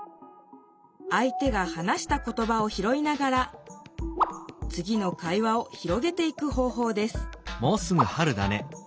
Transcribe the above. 相手が話した言ばをひろいながらつぎの会話を広げていく方ほうです